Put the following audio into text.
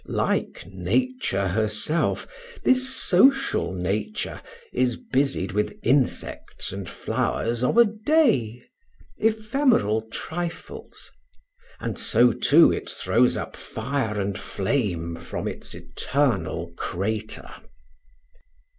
Like Nature herself, this social nature is busied with insects and flowers of a day ephemeral trifles; and so, too, it throws up fire and flame from its eternal crater.